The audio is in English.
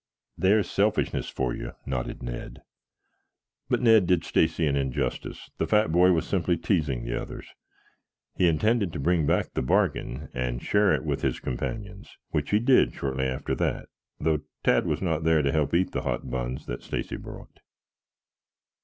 "There's selfishness for you," nodded Ned. But Ned did Stacy an injustice. The fat boy was simply teasing the others. He intended to bring back the "bargain" and share it with his companions, which he did shortly after that, though Tad was not there to help eat the hot buns that Stacy brought.